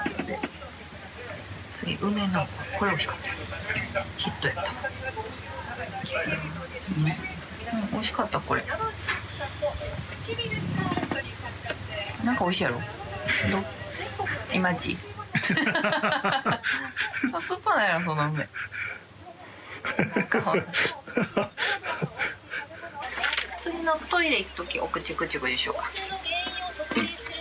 次のトイレ行くときお口クチュクチュしようか。